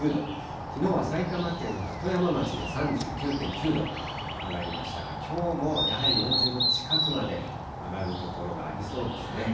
きのうは埼玉県鳩山町で３９．９度、上がりましたが、きょうもやはり４０度近くまで上がる所がありそうですね。